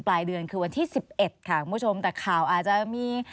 ปลายเดือนคือวันที่สิบเอ็ดค่ะคุณผู้ชมแต่ข่าวอาจจะมี